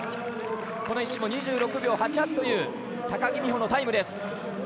この種目２１秒８８という高木美帆のタイムです。